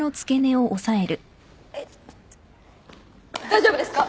大丈夫ですか！？